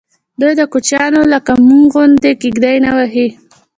ددوی کوچیان لکه زموږ غوندې کېږدۍ نه وهي.